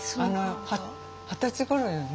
二十歳ごろよね？